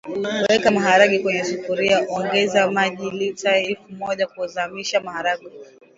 Weka maharage kwenye sufuria ongeza maji lita elfu moja kuzamisha maharage